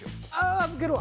預けるわ。